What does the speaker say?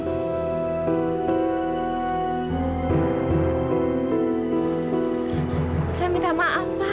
biasanya juga desa aman nyambut